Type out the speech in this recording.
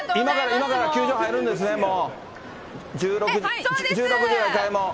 今から球場入るんですね、もう、１６時開門。